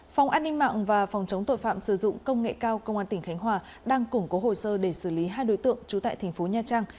phòng an ninh mạng và phòng chống tội phạm sử dụng công nghệ cao công an tỉnh khánh hòa đang củng cố hồ sơ để xử lý hai đối tượng trú tại thành phố nha trang